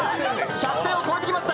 １００点を超えていきました。